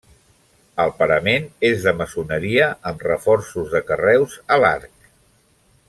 El parament és de maçoneria amb reforços de carreus a l'arc.